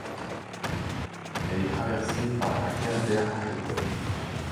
Elle est traversée par la Calder Highway.